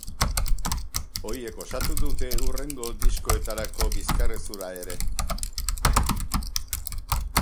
Horiek osatu dute hurrengo diskoetako bizkarrezurra ere.